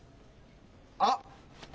あっ！